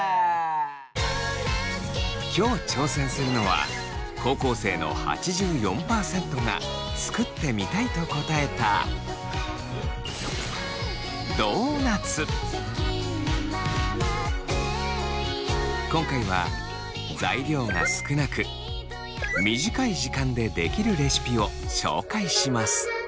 今日挑戦するのは高校生の８４％が「作ってみたい」と答えた今回は「材料が少なく」「短い時間でできる」レシピを紹介します。